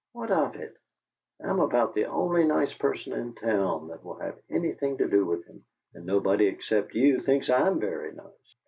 "What of it? I'm about the only nice person in town that will have anything to do with him and nobody except you thinks I'M very nice!"